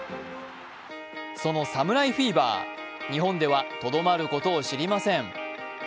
その侍フィーバー、日本ではとどまるところを知りません。